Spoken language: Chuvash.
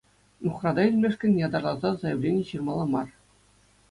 Нухрата илмешкӗн ятарласа заявлени ҫырмалла мар.